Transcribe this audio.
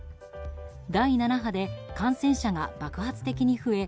第７波で感染者が爆発的に増え